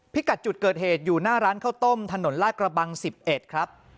กัดจุดเกิดเหตุอยู่หน้าร้านข้าวต้มถนนลาดกระบัง๑๑ครับ